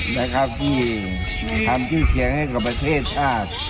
นะครับที่ทำที่เคียงให้กับประเทศชาติ